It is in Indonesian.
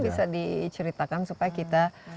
bisa diceritakan supaya kita